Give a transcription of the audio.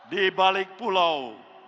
di balik pulau